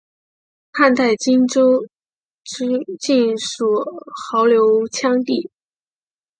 汉代今州境属牦牛羌地。